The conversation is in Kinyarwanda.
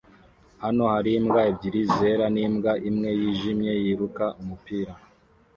Hano hari imbwa ebyiri zera n'imbwa imwe yijimye yiruka umupira